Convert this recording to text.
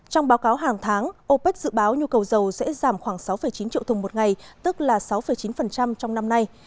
trong báo cáo hàng tháng opec dự báo nhu cầu dầu sẽ giảm khoảng sáu chín triệu thùng một ngày tức là sáu chín trong năm nay